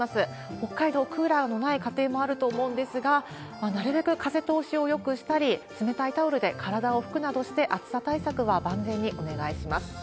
北海道、クーラーのない家庭もあると思うんですけれども、なるべく風通しをよくしたり、冷たいタオルで体を拭くなどして、暑さ対策を万全にお願いします。